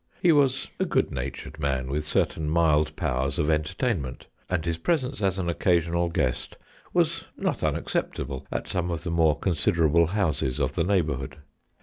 He was a good natured man, with certain mild powers of entertainment, and his presence as an occasional guest was not unacceptable at some of the more consider able houses of the neighbourhood.